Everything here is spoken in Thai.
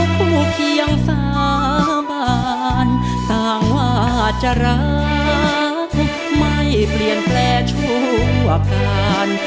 เคียงสาบานต่างว่าจะรักไม่เปลี่ยนแปลงชั่วคราน